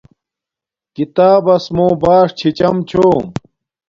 کتابس موں باݽ چھی چم چھوم